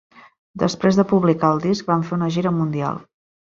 Després de publicar el disc van fer una gira mundial.